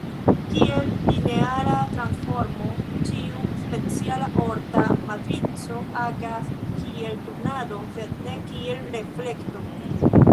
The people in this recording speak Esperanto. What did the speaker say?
Kiel lineara transformo, ĉiu speciala orta matrico agas kiel turnado sed ne kiel reflekto.